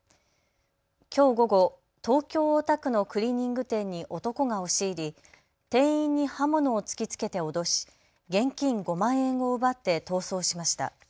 きょう午後、東京大田区のクリーニング店に男が押し入り店員に刃物を突きつけて脅し現金５万円を奪って逃走しました。